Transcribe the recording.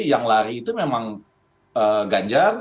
yang lari itu memang ganjar